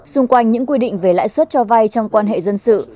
xung quanh những quy định về lãi suất cho vay trong quan hệ dân sự